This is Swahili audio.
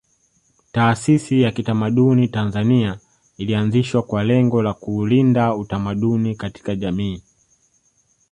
Taasisi ya kitamaduni Tanzania ilianzishwa kwa lengo la kuulinda utamaduni katika jamii